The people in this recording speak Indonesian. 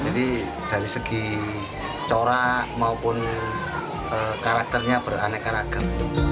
jadi dari segi corak maupun karakternya beraneka ragam